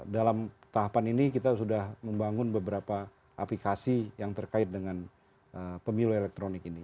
dalam tahapan ini kita sudah membangun beberapa aplikasi yang terkait dengan pemilu elektronik ini